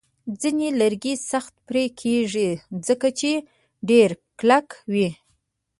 ځینې لرګي سخت پرې کېږي، ځکه چې ډیر کلک وي.